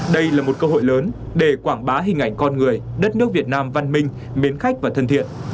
đây là một cơ hội lớn để quảng bá hình ảnh con người đất nước việt nam văn minh mến khách và thân thiện